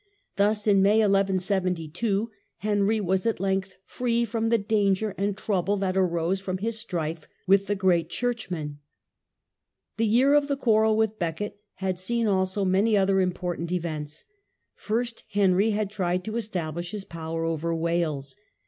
Thus in May, 1172, Henry was at length free from the danger and trouble that arose from his strife with the great churchman. The year of the quarrel with Becket had seen also many other important events. First Henry had tried to establish his power over Wales.